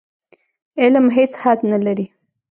علم هېڅ حد نه لري.